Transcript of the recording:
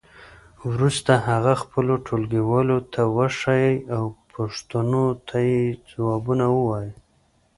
وروسته هغه خپلو ټولګیوالو ته وښیئ او پوښتنو ته یې ځوابونه ووایئ.